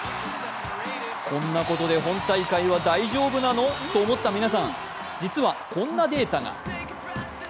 こんなことで本大会は大丈夫なの？と思った皆さん、実は、こんなデータが。